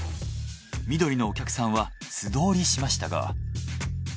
緑のお客さんは素通りしましたが。